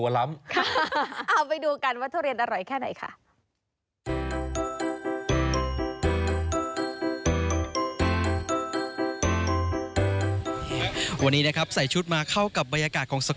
กลปิดพร้อมไปดูกันว่าทุเรียนอร่อยแค่ไหนค่ะหวันนี้นะครับใส่ชุดมาเข้ากับบรรยากาศของสัก